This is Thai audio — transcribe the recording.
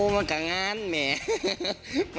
มันก็งั้นแหม